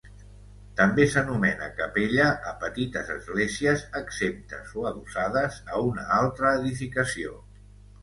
També s'anomena capella a petites esglésies, exemptes o adossades a una altra edificació.